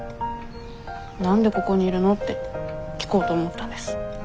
何でここにいるのって聞こうと思ったんです。